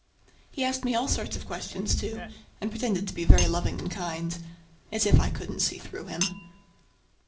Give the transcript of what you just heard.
He asked me all sorts of questions, too, and pretended to be very loving and kind. As if I couldn't see through him!